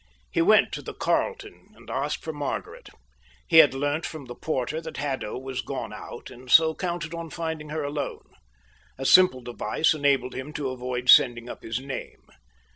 He went to the Carlton and asked for Margaret. He had learnt from the porter that Haddo was gone out and so counted on finding her alone. A simple device enabled him to avoid sending up his name.